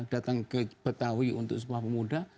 datang ke betawi untuk sebuah pemuda